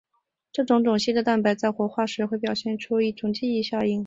这个种系的蛋白在活化时表现出一种记忆效应。